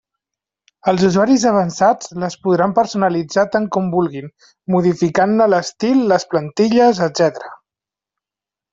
Els usuaris avançats les podran personalitzar tant com vulguin, modificant-ne l'estil, les plantilles, etc.